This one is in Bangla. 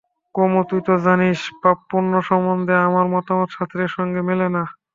কুমু তুই তো জানিস, পাপপুণ্য সম্বন্ধে আমার মতামত শাস্ত্রের সঙ্গে মেলে না।